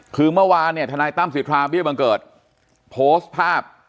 คือเมื่อวานเนี่ยทนายตั้มสิทธาเบี้ยบังเกิดโพสต์ภาพ